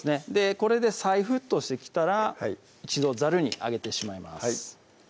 これで再沸騰してきたら一度ザルにあげてしまいます